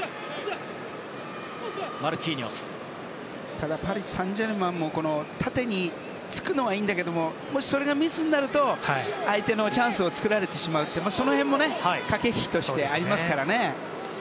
ただパリ・サンジェルマンも縦につくのはいいんだけれどももし、それがミスになると相手のチャンスを作られてしまうというのも駆け引きとしてありますからね。